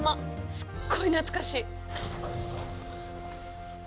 すっごい懐かしい。